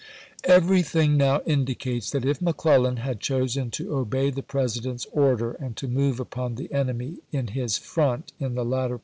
Everything now indicates that if McClellan had chosen to obey the President's order and to move upon the enemy in his front in the latter part of 18C2.